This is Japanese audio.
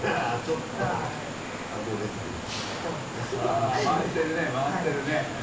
あぁ回ってるね回ってるね。